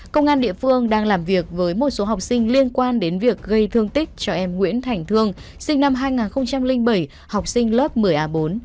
công an địa phương đang làm việc với một số học sinh liên quan đến việc gây thương tích cho em nguyễn thành thương sinh năm hai nghìn bảy học sinh lớp một mươi a bốn